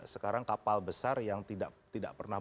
sekarang kapal besar yang tidak pernah